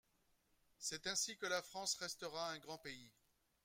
C’est ainsi que la France restera un grand pays.